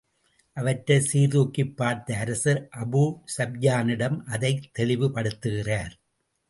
அவற்றைச் சீர் தூக்கிப் பார்த்த அரசர், அபூ ஸூப்யானிடமே அதைத் தெளிவுபடுத்துகிறார்.